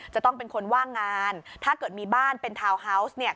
จะต้องเป็นคนว่างงานถ้าเกิดมีบ้านเป็นทาวน์ฮาวส์เนี่ย